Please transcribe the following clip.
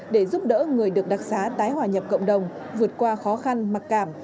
để giúp đỡ người được đặc xá tái hòa nhập cộng đồng vượt qua khó khăn mặc cảm